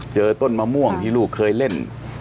เจอต้นมะม่วงที่ลูกเคยเล่น